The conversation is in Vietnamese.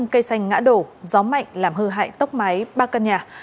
năm trăm linh cây xanh ngã đổ gió mạnh làm hư hại tốc máy ba căn nhà